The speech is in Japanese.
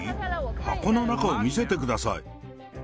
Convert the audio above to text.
箱の中を見せてください。